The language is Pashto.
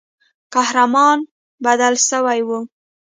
قهرمان بدل سوی وو.